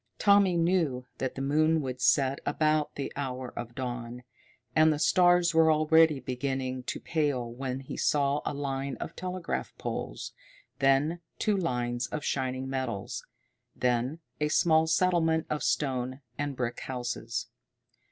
Tommy knew that the moon would set about the hour of dawn. And the stars were already beginning to pale when he saw a line of telegraph poles, then two lines of shining metals, then a small settlement of stone and brick houses.